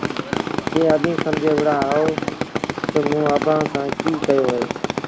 ڪيٚ اڀيٚنٚ سمجھي وهُڙآ اهو تا موٚنٚ اڀآنٚ سآݩٚ ڪيٚ ڪيو اهي؟